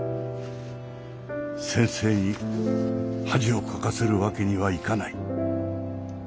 先生に恥をかかせるわけにはいかない。